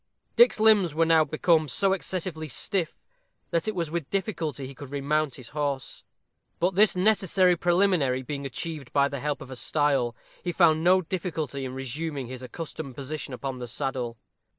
Dick's limbs were now become so excessively stiff, that it was with difficulty he could remount his horse. But this necessary preliminary being achieved by the help of a stile, he found no difficulty in resuming his accustomed position upon the saddle.